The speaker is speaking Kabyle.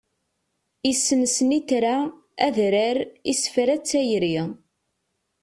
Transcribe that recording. Issen snitra, adrar, isefra d tayri.